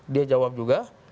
dia jawab juga